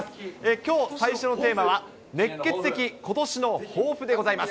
きょう最初のテーマは、熱ケツ的ことしの抱負でございます。